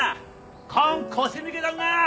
こん腰抜けどんが！